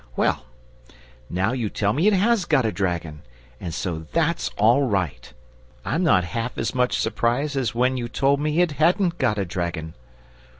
Well, now you tell me it HAS got a dragon, and so THAT'S all right. I'm not half as much surprised as when you told me it HADN'T got a dragon.